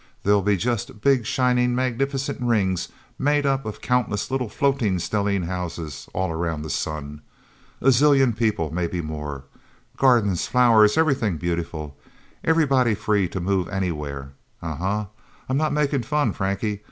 There'll be just big shining, magnificent rings made up of countless little floating stellene houses all around the sun. A zillion people, maybe more. Gardens, flowers, everything beautiful. Everybody free to move anywhere. Uh uh I'm not making fun, Frankie.